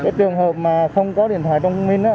trường hợp không có điện thoại trong quân minh